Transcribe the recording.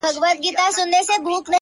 څه مسته نسه مي پـــه وجود كي ده _